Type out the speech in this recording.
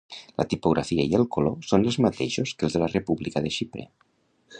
La tipografia i el color són els mateixos que els de la República de Xipre.